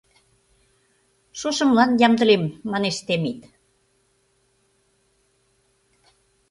— Шошымлан ямдылем, — манеш Темит.